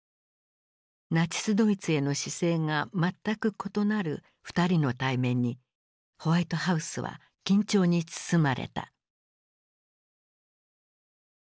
ナチスドイツへの姿勢が全く異なる二人の対面にホワイトハウスは緊張に包まれた。